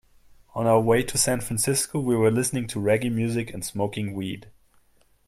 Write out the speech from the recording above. On our way to San Francisco, we were listening to reggae music and smoking weed.